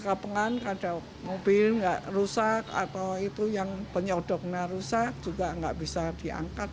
kapan kapan ada mobil yang rusak atau penyodoknya rusak juga nggak bisa diangkat